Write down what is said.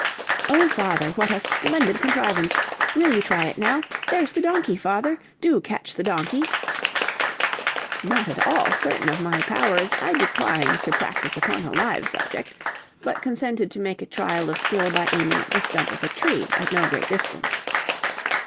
"Oh, father, what a splendid contrivance! Will you try it now? There is the donkey, father! do catch the donkey." Not at all certain of my powers, I declined to practice upon a live subject, but consented to make a trial of skill by aiming at the stump of a tree at no great distance.